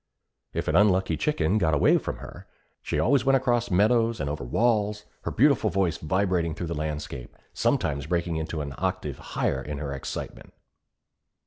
If an unlucky chicken got away from her, away she went across meadows, and over walls, her beautiful voice vibrating through the landscape, sometimes breaking to an octave higher in her excitement.